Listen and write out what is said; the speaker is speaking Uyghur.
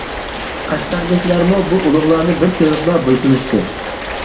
قەشقەرلىكلەرمۇ بۇ ئۇلۇغلارنى بىر كۆرۈپلا بويسۇنۇشتى.